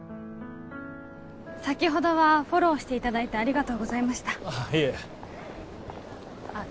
先ほどはフォローしていただいてありがとうございましたああいえあっ